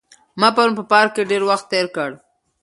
ما پرون په پارک کې ډېر وخت تېر کړ.